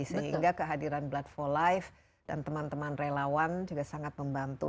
sehingga kehadiran blood for life dan teman teman relawan juga sangat membantu